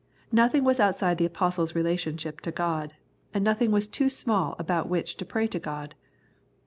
Nothing was outside the Apostle's relationship to God, and nothing was too small about which to pray to God.